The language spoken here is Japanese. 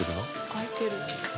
開いてる？